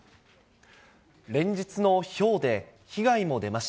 連日のひょうで、被害も出ま